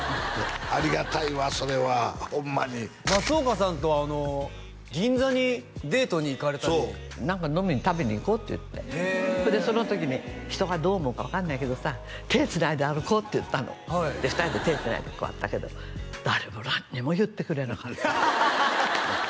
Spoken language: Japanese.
ありがたいわそれはホンマに松岡さんとは銀座にデートに行かれたり何か飲みに食べに行こうって言ってへえそれでその時に「人がどう思うか分かんないけどさ手つないで歩こう」って言ったの２人で手つないでこうやったけど誰も何にも言ってくれなかったハハハハハッ！